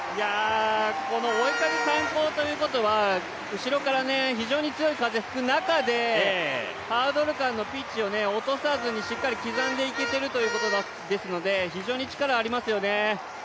この追い風参考ということは、後ろから非常に強い風が吹く中でハードル間のピッチを落とさずにしっかり刻んでいけてるということですので非常に力がありますよね。